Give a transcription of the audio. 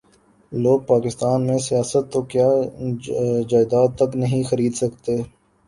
لوگ پاکستان میں سیاست تو کیا جائیداد تک نہیں خرید سکتے